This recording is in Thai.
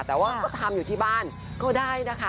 แต่ว่าก็ทำอยู่ที่บ้านก็ได้นะคะ